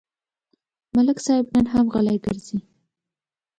ملک صاحب نن هم غلی ګرځي.